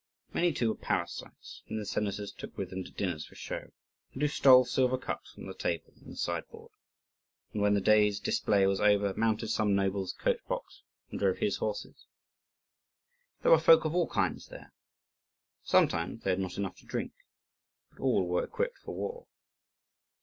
Many too were parasites, whom the senators took with them to dinners for show, and who stole silver cups from the table and the sideboard, and when the day's display was over mounted some noble's coach box and drove his horses. There were folk of all kinds there. Sometimes they had not enough to drink, but all were equipped for war.